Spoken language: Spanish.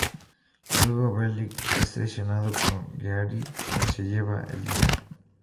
Luego Bellick es traicionado por Geary, quien se lleva el dinero.